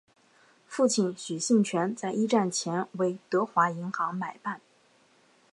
父亲许杏泉在一战前为德华银行买办。